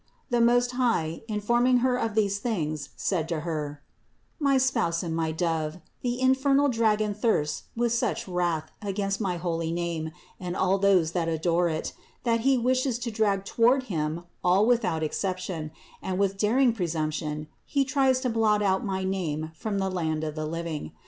The Most High, informing Her of these things, said to Her : "My Spouse and my Dove, the infernal dragon thirsts with such wrath against my holy name and all those that adore it, that he wishes to drag toward him all without exception and with daring presumption he tries to blot out my name from the land of the living.